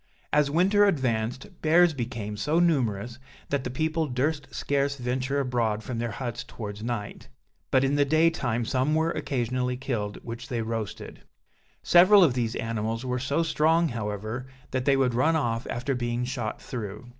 As winter advanced, bears became so numerous, that the people durst scarce venture abroad from their huts towards night; but in the day time some were occasionally killed, which they roasted. Several of these animals were so strong, however, that they would run off after being shot through.